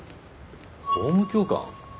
法務教官？